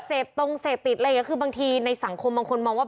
เซ็บพรงเซ็บติดเลยอย่างนั้นคือบางทีในสังคมบางคนมองว่าแบบ